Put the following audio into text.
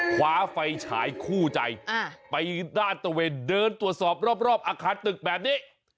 คว้าไฟฉายคู่ใจไปด้านตะเวนเดินตรวจสอบรอบอาคารตึกแบบนี้